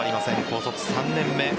高卒３年目